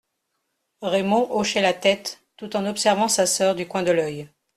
Raymond hochait la tête, tout en observant sa sœur du coin de l'œil.